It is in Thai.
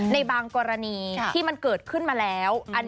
ในบางกรณีที่มันเกิดขึ้นมาแล้ว